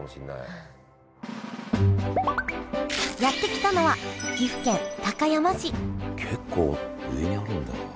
やって来たのは岐阜県高山市結構上にあるんだ。